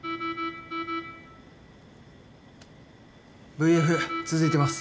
ＶＦ続いてます。